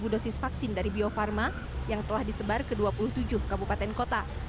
dua puluh dosis vaksin dari bio farma yang telah disebar ke dua puluh tujuh kabupaten kota